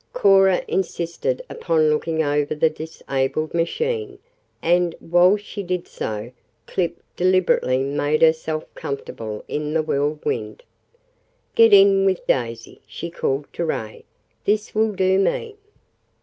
Cora insisted upon looking over the disabled machine, and, while she did so, Clip deliberately made herself comfortable in the Whirlwind. "Get in with Daisy," she called to Ray. "This will do me."